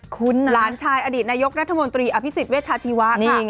คุณหลานชายอดีตนายกรัฐมนตรีอภิษฎเวชาชีวะค่ะ